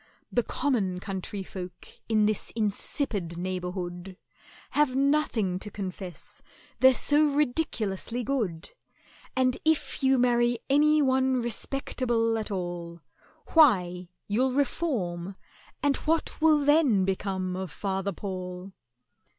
"The common country folk in this insipid neighbourhood Have nothing to confess, they're so ridiculously good; And if you marry any one respectable at all, Why, you'll reform, and what will then become of FATHER PAUL?"